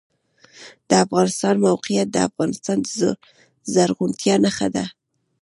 د افغانستان موقعیت د افغانستان د زرغونتیا نښه ده.